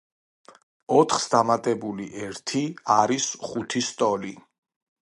ოთხს დამატებული ერთი არის ხუთის ტოლი.